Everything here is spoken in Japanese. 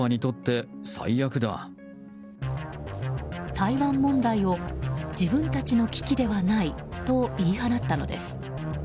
台湾問題を自分たちの危機ではないと言い放ったのです。